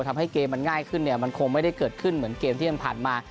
ทำให้เกมมันง่ายขึ้นเนี่ยมันคงไม่ได้เกิดขึ้นเหมือนเกมที่ผ่านมา